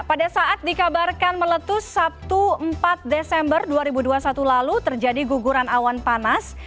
pada saat dikabarkan meletus sabtu empat desember dua ribu dua puluh satu lalu terjadi guguran awan panas